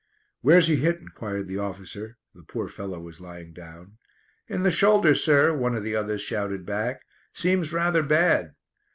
"Where's he hit?" enquired the officer. The poor fellow was lying down. "In the shoulder, sir," one of the others shouted back. "Seems rather bad."